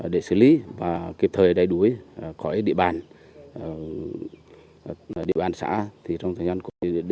để xử lý và kịp thời đầy đủi khỏi địa bàn địa bàn xã